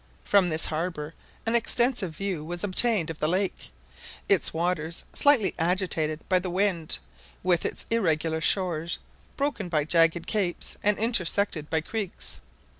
From this harbour an extensive view was obtained of the lake; its waters slightly agitated by the wind, with its irregular shores broken by jagged capes and intersected by creeks.